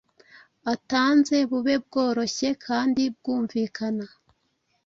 atanze bube bworoshye kandi bwumvikana.